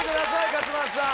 勝俣さん